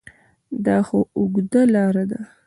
دا خو اوږده لاره ده ؟